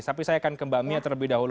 tapi saya akan ke mbak mia terlebih dahulu